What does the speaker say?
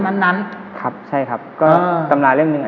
บ๊วยบ๊วยต้าเปิดอ่านหมดยัง